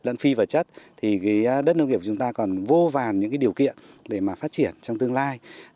đất phi vật chất thì đất nông nghiệp của chúng ta còn vô vàn những điều kiện để phát triển trong tương lai